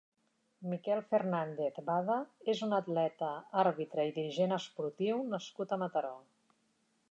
Miquel Fernández Bada és un atleta, àrbitre i dirigent esportiu nascut a Mataró.